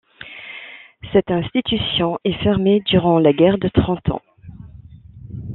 Cette institution est fermée durant la guerre de Trente Ans.